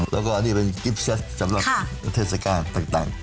แล้วก็อันนี้กิ๊ปเซ็ตกองกับอเทศกาลต่าง